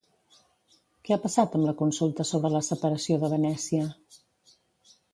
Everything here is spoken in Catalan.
Què ha passat amb la consulta sobre la separació de Venècia?